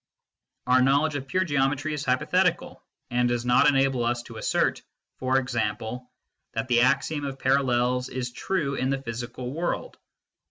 Our knowledge of pure geometry is hypothetical, and does not enable us to assert, for example, that the axiom of parallels is true in the physical world.